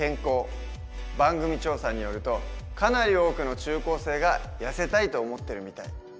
番組調査によるとかなり多くの中高生がやせたいと思ってるみたい。